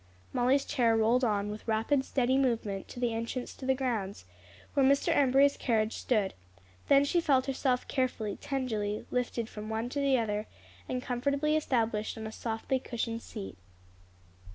Molly's chair rolled on with rapid, steady movement to the entrance to the grounds, where Mr. Embury's carriage stood; then she felt herself carefully, tenderly lifted from one to the other and comfortably established on a softly cushioned seat.